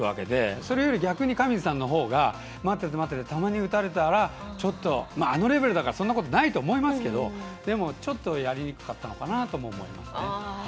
それより逆に上地さんのほうが待ってて待っててたまに打たれたらあのレベルだからそんなことないと思いますけどちょっとやりにくかったのかなとも思いますね。